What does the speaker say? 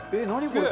これ。